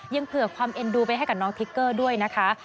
เผื่อความเอ็นดูไปให้กับน้องทิกเกอร์ด้วยนะคะ